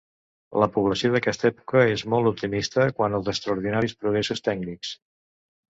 La població d'aquesta època és molt optimista quant als extraordinaris progressos tècnics.